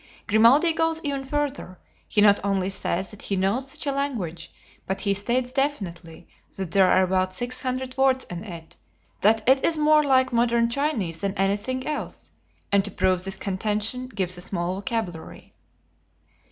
Grimaldi goes even further: he not only says that he knows such a language, but he states definitely that there are about six hundred words in it, that it is more like modern Chinese than anything else, and to prove this contention, gives a small vocabulary.